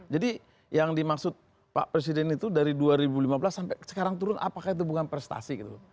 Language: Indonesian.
jadi yang dimaksud pak presiden itu dari dua ribu lima belas sampai sekarang turun apakah itu bukan prestasi gitu